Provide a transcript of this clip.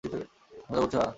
মজা করছো হাহ!